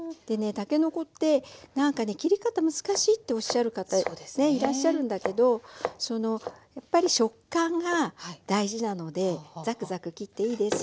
たけのこって切り方難しいっておっしゃる方ねいらっしゃるんだけどやっぱり食感が大事なのでザクザク切っていいですよ。